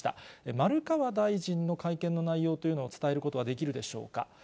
丸川大臣の会見の内容というのは伝えることはできるでしょうか。